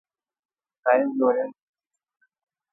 ښایست د وریځو په منځ کې پټ وي